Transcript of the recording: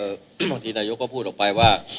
ที่บางทีนายกก็พูดออกไปว่า